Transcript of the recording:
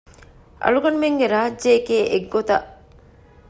އަޅުގަނޑުމެންގެ ރާއްޖެއެކޭ އެއްގޮތަށް